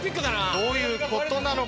どういうことなのか